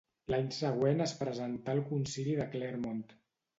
L'any següent es presentà al Concili de Clermont.